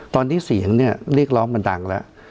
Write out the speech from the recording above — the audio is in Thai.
ตอนที่เสียงเนี่ยเรียกร้องมันดังแล้ว